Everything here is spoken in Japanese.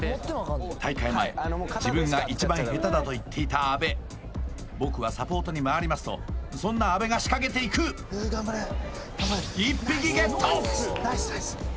大会前自分が一番下手だと言っていた阿部「僕はサポートにまわります」とそんな阿部が仕掛けていく１匹ゲット！